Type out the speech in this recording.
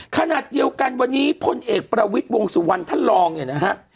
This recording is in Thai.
ขณะเดียวกันวันนี้พลเอกประวิทย์วงสุวรรณท่านรองเนี่ยนะฮะ